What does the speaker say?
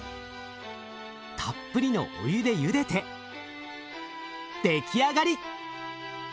たっぷりのお湯でゆでて出来上がり！